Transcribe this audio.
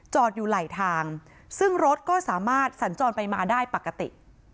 อยู่ไหลทางซึ่งรถก็สามารถสัญจรไปมาได้ปกติ